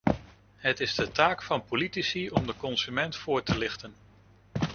Het is de taak van politici om de consument voor te lichten.